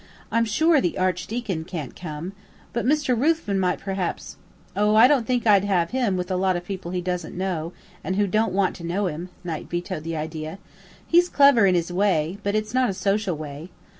I'm sure the Archdeacon can't come, but Mr. Ruthven might perhaps " "Oh, I don't think I'd have him with a lot of people he doesn't know and who don't want to know him," Knight vetoed the idea. "He's clever in his way, but it's not a social way.